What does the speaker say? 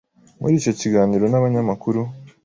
Muri icyo kiganiro n'abanyamakuru